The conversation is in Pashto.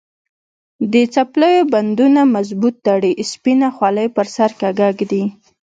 د څپلیو بندونه مضبوط تړي، سپینه خولې پر سر کږه ږدي.